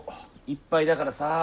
いっぱいだからさあ。